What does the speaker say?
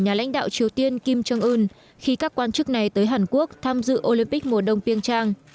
nhà lãnh đạo triều tiên kim jong un khi các quan chức này tới hàn quốc tham dự olympic mùa đông piêng trang